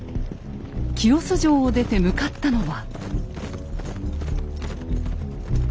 清須城を出て向かったのは。